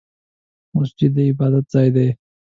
مسجد د عبادت ځای دی